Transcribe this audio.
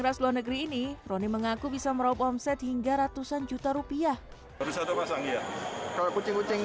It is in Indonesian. beras luar negeri ini roni mengaku bisa meraup omset hingga ratusan juta rupiah kalau kucing kucing